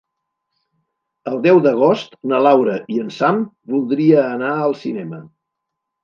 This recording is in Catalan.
El deu d'agost na Laura i en Sam voldria anar al cinema.